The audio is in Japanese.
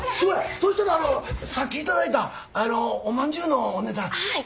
そしたらあのさっきいただいたあの。おまんじゅうのお値段。